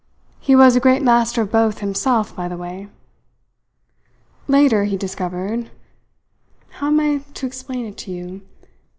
He was a great master of both, himself, by the way. Later he discovered how am I to explain it to you?